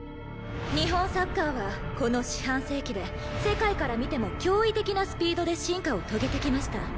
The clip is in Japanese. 日本サッカーはこの四半世紀で世界から見ても驚異的なスピードで進化を遂げてきました。